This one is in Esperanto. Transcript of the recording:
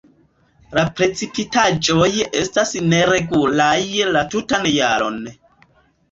La precipitaĵoj estas neregulaj la tutan jaron.